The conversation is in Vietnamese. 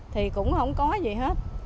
thì cũng không có gì hết